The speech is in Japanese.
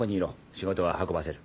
仕事は運ばせる。